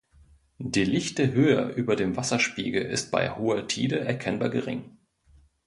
Die lichte Höhe über dem Wasserspiegel ist bei hoher Tide erkennbar gering.